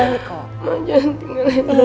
mama jangan tinggal di sini